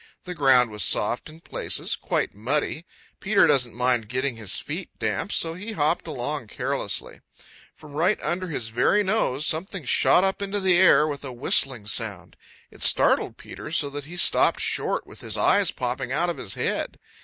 The ground was soft in places, quite muddy. Peter doesn't mind getting his feet damp, so he hopped along carelessly. From right under his very nose something shot up into the air with a whistling sound. It startled Peter so that he stopped short with his eyes popping out of his head.